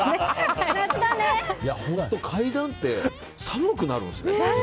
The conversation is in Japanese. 本当、怪談って寒くなるんですね。